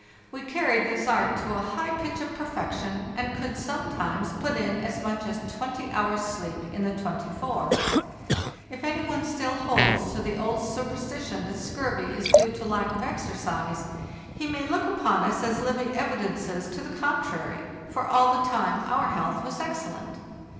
We carried this art to a high pitch of perfection, and could sometimes put in as much as 20 hours' sleep in the 24. If any one still holds to the old superstition that scurvy is due to lack of ex ercise, he may look upon us as living evidences to the contrary; for all the time our health was excellent.